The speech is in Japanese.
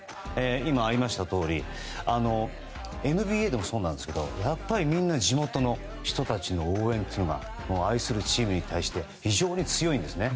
今ありましたとおりＮＢＡでもそうなんですけれどやっぱり、みんな地元の人たちの応援というのが愛するチームに対して非常に強いんですね。